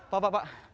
pak pak pak